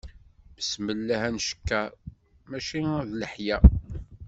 Besmellah ad ncekker, mačči d leḥya.